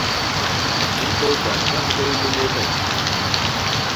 بیکو باچھا ہتو یی نیتائے